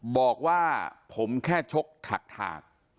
บอกว่าผมแค่ชกถัก